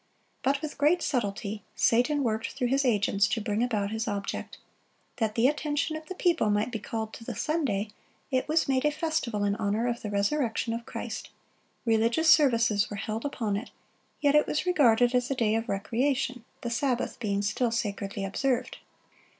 But with great subtlety, Satan worked through his agents to bring about his object. That the attention of the people might be called to the Sunday, it was made a festival in honor of the resurrection of Christ. Religious services were held upon it; yet it was regarded as a day of recreation, the Sabbath being still sacredly observed.